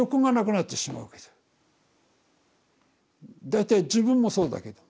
大体自分もそうだけど。